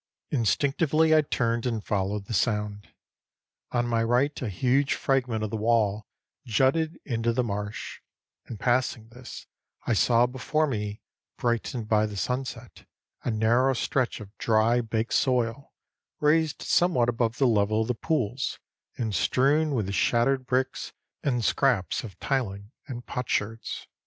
Instinctively I turned and followed the sound. On my right a huge fragment of the wall jutted into the marsh, and passing this I saw before me, brightened by the sunset, a narrow stretch of dry, baked soil, raised somewhat above the level of the pools, and strewn with shattered bricks and scraps of tiling and potsherds.